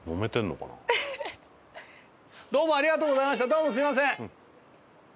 どうもすみません。